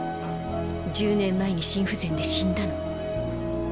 １０年前に心不全で死んだの。